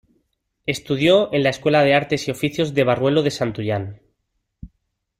Estudió en la Escuela de Artes y Oficios de Barruelo de Santullán.